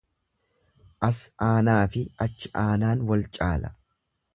As aanaafi achi aanaan wal caala.